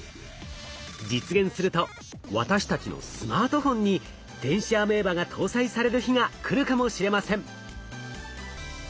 実現すると私たちのスマートフォンに電子アメーバが搭載される日が来るかもしれません。